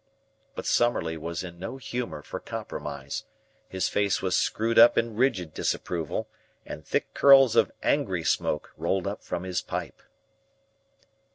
But Summerlee was in no humour for compromise. His face was screwed up in rigid disapproval, and thick curls of angry smoke rolled up from his pipe.